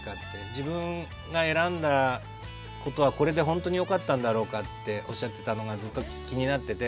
自分が選んだことはこれでほんとによかったんだろうかっておっしゃってたのがずっと気になってて。